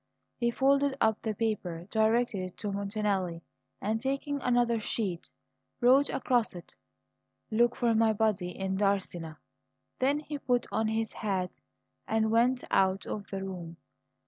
He folded up the paper, directed it to Montanelli, and, taking another sheet, wrote across it: "Look for my body in Darsena." Then he put on his hat and went out of the room.